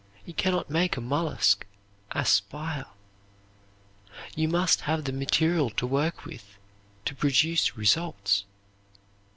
You can not make a mollusk aspire. You must have the material to work with, to produce results.